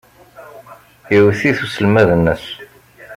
Iwet-it uselmad-nnes.